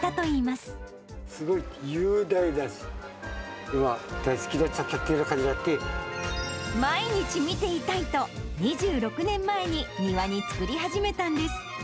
すごい雄大だし、大好きにな毎日見ていたいと、２６年前に庭に作り始めたんです。